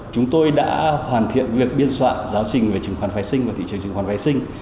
chúng tôi đã hoàn thiện việc biên soạn giáo trình về chứng khoán phái sinh và thị trường chứng khoán vệ sinh